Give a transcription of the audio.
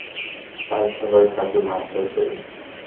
তাই সবাই তাকে মারধর করেছে।